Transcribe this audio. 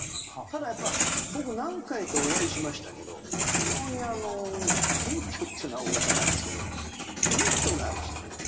ただやっぱ僕何回かお会いしましたけど非常に謙虚ってのは大げさなんですけどウイットのある人ね。